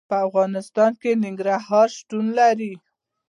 په افغانستان کې ننګرهار شتون لري.